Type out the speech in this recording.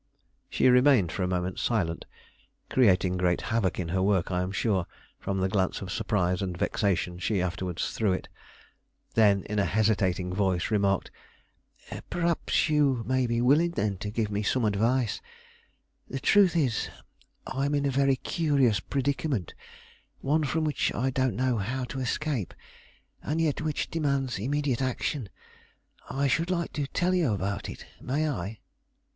She remained for a moment silent, creating great havoc in her work I am sure, from the glance of surprise and vexation she afterwards threw it. Then, in a hesitating voice, remarked: "Perhaps you may be willing, then, to give me some advice. The truth is, I am in a very curious predicament; one from which I don't know how to escape, and yet which demands immediate action. I should like to tell you about it; may I?"